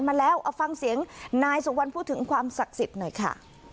มาแล้วเอาฟังเสียงนายสุวรรณพูดถึงความศักดิ์สิทธิ์หน่อยค่ะ